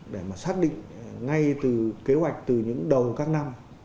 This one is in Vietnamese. để mà xác định ngay từ kế hoạch từ những đầu các năm